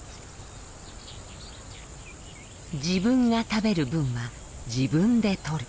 自分が食べる分は自分で取る。